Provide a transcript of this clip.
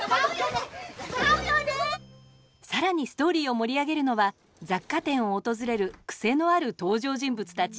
更にストーリーを盛り上げるのは雑貨店を訪れる癖のある登場人物たち